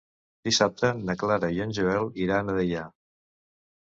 Dissabte na Clara i en Joel iran a Deià.